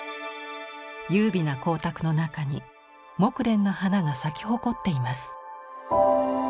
優美な光沢の中に木蓮の花が咲き誇っています。